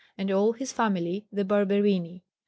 and all his family, the Barberini.